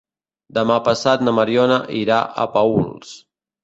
Demà passat na Mariona irà a Paüls.